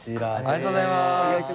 ありがとうございます。